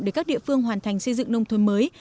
để các địa phương hoàn thành xây dựng nông thôn mới